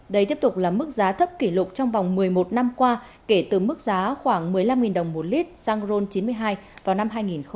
đây tiếp tục là mức giá thấp kỷ lục trong vòng một mươi một năm qua kể từ mức giá khoảng một mươi năm đồng một lít xăng rhone chín mươi hai vào năm hai nghìn chín